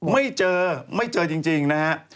ไม่เจอไม่เจอจริงนะฮะ